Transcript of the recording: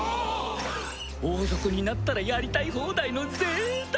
王族になったらやりたい放題の贅沢三昧。